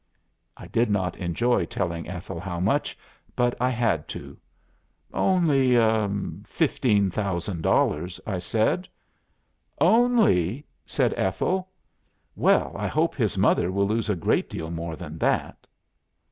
'" "I did not enjoy telling Ethel how much, but I had to. 'Only fifteen thousand dollars,' I said." "'Only!' said Ethel. 'Well, I hope his mother will lose a great deal more than that.